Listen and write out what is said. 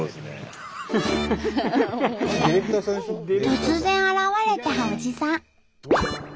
突然現れたおじさん。